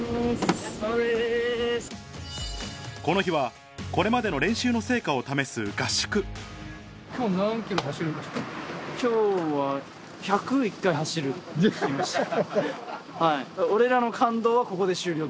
この日はこれまでの練習の成果を試す始まりました。